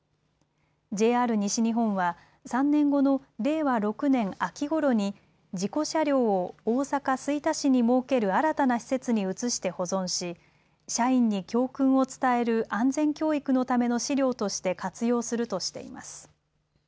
ＪＲ西日本は３年後の令和６年秋ごろに事故車両を大阪吹田市に設ける新たな施設に移して保存し社員に教訓を伝える安全教育のための資料として活用するとしています。